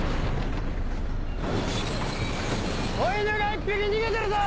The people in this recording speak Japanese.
子犬が１匹逃げてるぞ！